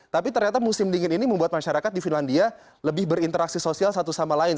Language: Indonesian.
tapi ternyata musim dingin ini membuat masyarakat di finlandia lebih berinteraksi sosial satu sama lain